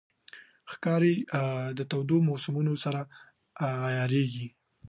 ښکاري د تودو موسمونو سره عیارېږي.